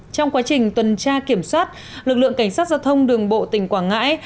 trong quá trình tuần tra kiểm soát lực lượng cảnh sát giao thông đường bộ tỉnh quảng ngãi